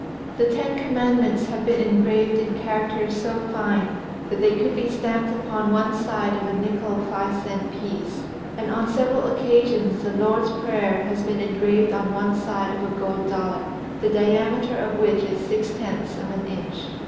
The Ten Commandments have been engraved in charac ters so fine that they could be stamped upon one side of a nickle five cent piece, and on several occasions the Lord's Prayer has been engraved on one side of a gold dollar, the diameter of which is six tenths of an inch.